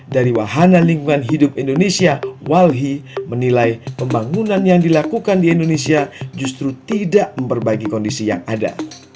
dari wahana lingkungan hidup indonesia walhi menilai pembangunan yang dilakukan di indonesia justru tidak memperbaiki kondisi yang ada